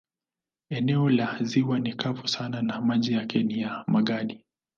Eneo la ziwa ni kavu sana na maji yake ni ya magadi.